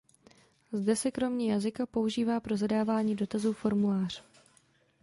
Zde se kromě jazyka používá pro zadávání dotazů formulář.